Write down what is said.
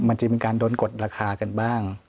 มันจึงเป็นการโดนกดราคากันบ้าง